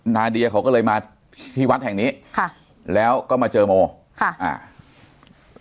นาเดียเขาก็เลยมาที่วัดแห่งนี้ค่ะแล้วก็มาเจอโมค่ะอ่า